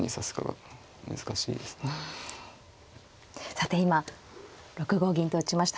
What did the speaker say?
さて今６五銀と打ちました。